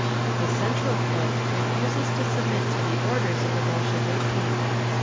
The Tsentroflot refuses to submit to the orders of the Bolsheviki….